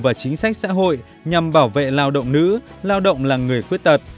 và chính sách xã hội nhằm bảo vệ lao động nữ lao động là người khuyết tật